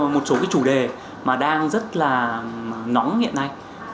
một số cái chủ đề mà đang rất là nóng hiện nay